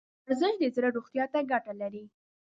ورزش د زړه روغتیا ته ګټه لري.